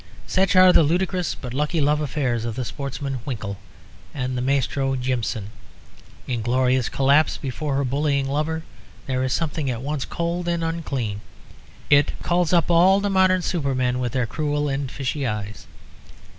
Such are the ludicrous but lucky love affairs of the sportsman Winkle and the Maestro Jimson. In Gloria's collapse before her bullying lover there is something at once cold and unclean; it calls up all the modern supermen with their cruel and fishy eyes.